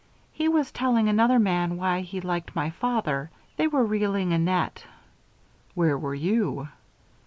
He was telling another man why he liked my father. They were reeling a net." "Where were you?"